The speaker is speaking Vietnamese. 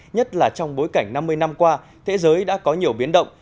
nhất là trong bối cảnh năm mươi năm qua thế giới đã có nhiều biến động